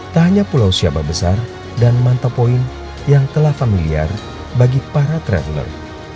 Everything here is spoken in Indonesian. tak hanya pulau syaba besar dan mantapoint yang telah familiar bagi para traveler